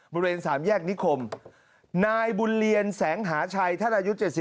เชียร์สามแยกนิคมนายบุญเรียนแสงหาชัยท่านอายุ๗๑